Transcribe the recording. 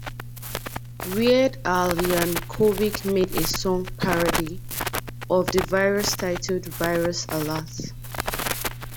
Weird Al Yankovic made a song parody of the virus titled "Virus Alert".